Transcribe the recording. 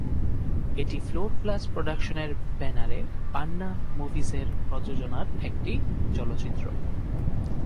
এটি four plus প্রোডাকশনের ব্যানারে পান্না মুভিজের প্রযোজনার একটি চলচ্চিত্র।